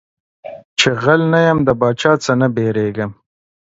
چي غل نه يم د باچا څه نه بيرېږم.